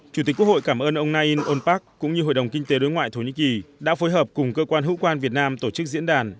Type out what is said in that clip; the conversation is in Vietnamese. chủ tịch quốc hội cảm ơn ông nain onpak cũng như hội đồng kinh tế đối ngoại thổ nhĩ kỳ đã phối hợp cùng cơ quan hữu quan việt nam tổ chức diễn đàn